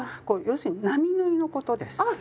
こう要するに並縫いのことです。